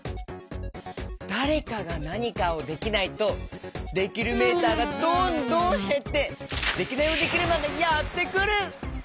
だれかがなにかをできないとできるメーターがどんどんへってデキナイヲデキルマンがやってくる！